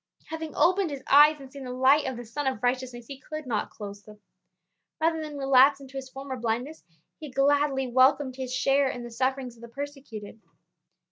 Having opened his eyes and seen the light of the Sun of Righteousness, he could not close them. Rather than relapse into his former blindness, he gladly welcomed his share in the sufferings of the persecuted.